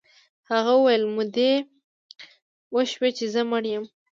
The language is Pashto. هغه ویل مودې وشوې چې زه مړ یم